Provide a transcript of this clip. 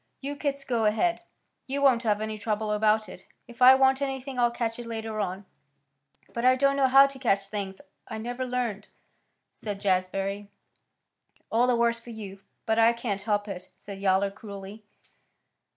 You kits go ahead. You won't have any trouble about it. If I want anything I'll catch it later on." "But I don't know how to catch things. I never learned," said Jazbury. "All the worse for you, but I can't help it," said Yowler cruelly.